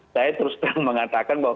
saya terus terang mengatakan bahwa kita belum